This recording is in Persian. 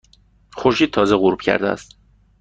خورشید تازه غروب کرده است.